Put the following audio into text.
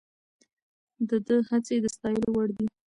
د ده هڅې د ستایلو وړ دي.